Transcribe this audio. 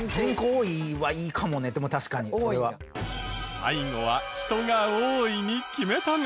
最後は人が多いに決めたが。